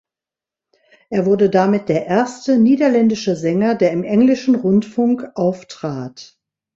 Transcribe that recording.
Er wurde damit der erste niederländische Sänger, der im englischen Rundfunk auftrat.